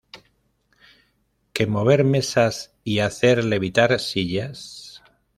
¿que mover mesas y hacer levitar sillas?